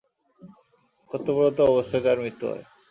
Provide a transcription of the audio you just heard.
কর্তব্যরত অবস্থায় তার মৃত্যু হয়।